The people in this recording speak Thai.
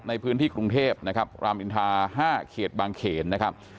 ในพื้นที่กรุงเทพนะครับรามอินทา๕เขตบางเขนนะครับ